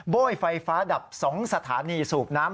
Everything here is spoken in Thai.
โบ้ยไฟฟ้าดับ๒สถานีสูบน้ำ